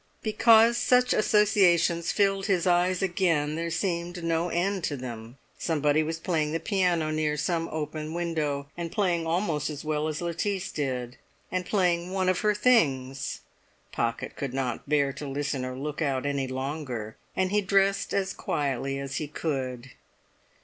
Because such associations filled his eyes again, there seemed no end to them. Somebody was playing the piano near some open window, and playing almost as well as Lettice did, and playing one of her things! Pocket could not bear to listen or look out any longer, and he dressed as quietly as he could.